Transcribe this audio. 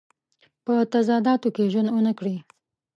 په تضاداتو کې ژوند ونه کړي.